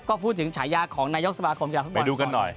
ก็พูดถึงสายาของนายกสมาครมกับผู้บอลหนูก่อน